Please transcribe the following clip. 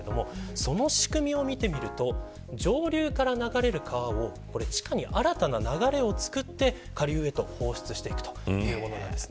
その仕組みを見てみると上流から流れる川を地下に新たな流れを作って下流へと放出していくということです。